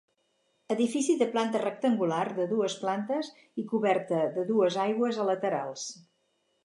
Edifici de planta rectangular de dues plantes i coberta de dues aigües a laterals.